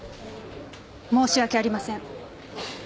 申し訳ありません。